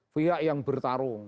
pihak yang bertarung